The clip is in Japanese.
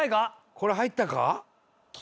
「これ入ったか？」